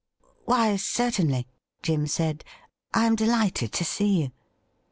' Why, certainly,' Jim said. ' I am delighted to see you."'